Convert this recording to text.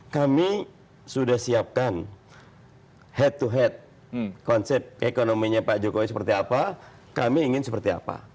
kami sudah siapkan head to head konsep ekonominya pak jokowi seperti apa kami ingin seperti apa